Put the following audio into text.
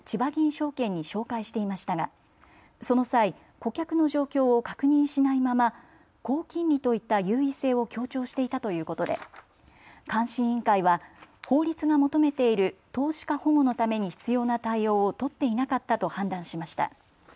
証券に紹介していましたがその際、顧客の状況を確認しないまま高金利といった優位性を強調していたということで監視委員会は法律が求めている投資家保護のために必要な対応を取っていなかったと判断しました。